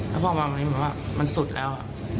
แล้วพอมาวันนี้มันสุดแล้ว